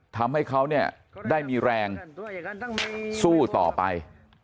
ทำให้เขาเนี่ยได้มีแรงสู้ต่อไป